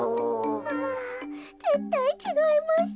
はぁぜったいちがいます。